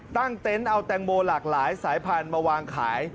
เต็นต์เอาแตงโมหลากหลายสายพันธุ์มาวางขาย